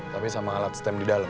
tapi sama alat stem di dalam